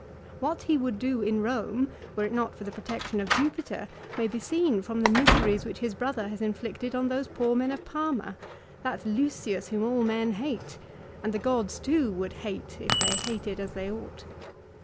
What he would do in Rome, were it not for the protection of Jupiter, may be seen from the miseries which his brother has inflicted on those poor men of Parma, that Lucius whom all men hate, and the gods too would hate, if they hated as they ought.